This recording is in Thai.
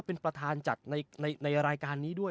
เป็นประธานจัดในรายการนี้ด้วย